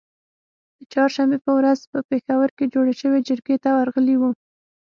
د چهارشنبې په ورځ په پیښور کې جوړی شوې جرګې ته ورغلي وو